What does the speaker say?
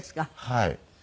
はい。